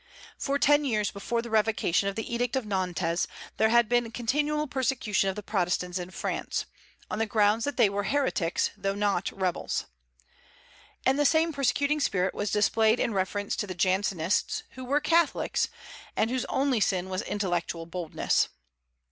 For ten years before the revocation of the Edict of Nantes there had been continual persecution of the Protestants in France, on the ground that they were heretics, though not rebels. And the same persecuting spirit was displayed in reference to the Jansenists, who were Catholics, and whose only sin was intellectual boldness.